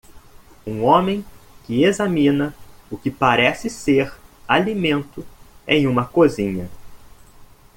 Um homem que examina o que parece ser alimento em uma cozinha.